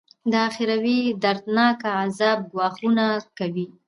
د اخروي دردناکه عذاب ګواښونه کوي.